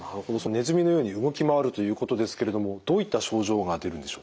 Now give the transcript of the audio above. ネズミのように動き回るということですけれどもどういった症状が出るんでしょうか？